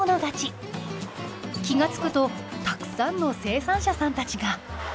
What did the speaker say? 気がつくとたくさんの生産者さんたちが。